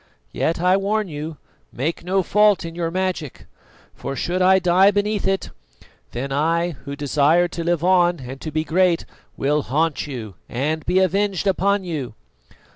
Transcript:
Yet, I warn you, make no fault in your magic; for should I die beneath it, then I, who desire to live on and to be great, will haunt you and be avenged upon you!"